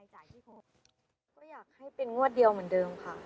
ก็อยากให้เป็นงวดเดียวเหมือนเดิมค่ะ